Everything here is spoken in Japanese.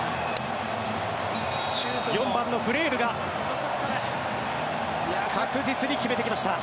４番のフレールが確実に決めてきました。